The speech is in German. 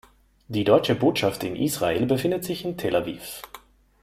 Die Deutsche Botschaft in Israel befindet sich in Tel Aviv.